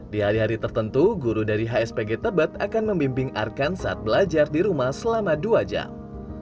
di hari hari tertentu guru dari hspg tebet akan membimbing arkan saat belajar di rumah selama dua jam